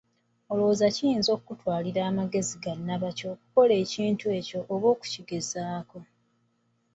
Olowooza kiyinza kukutwalira magezi ga nnabaki okukola ekintu ng'ekyo oba okukigezaako?